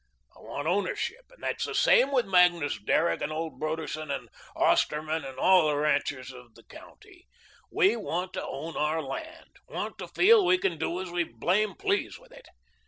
I want ownership; and it's the same with Magnus Derrick and old Broderson and Osterman and all the ranchers of the county. We want to own our land, want to feel we can do as we blame please with it.